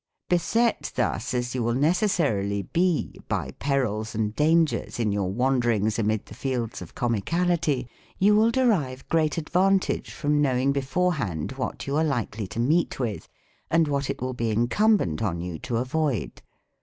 Beset thus, as you will necessarily be, by perils and dangers in your wanderings amid the fields of Comical ity, you will derive great advantage from knowing be fore hand what you are likely to meet with, and what it will be incumbent on you to avoid.